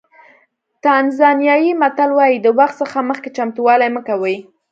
تانزانیایي متل وایي د وخت څخه مخکې چمتووالی مه کوئ.